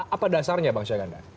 apa dasarnya bang syaganda